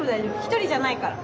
１人じゃないから。